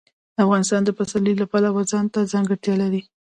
افغانستان د پسرلی د پلوه ځانته ځانګړتیا لري.